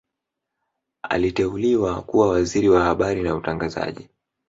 Aliteuliwa kuwa Waziri wa Habari na Utangazaji